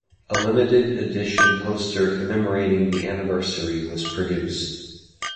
A limited edition poster commemorating the anniversary was produced.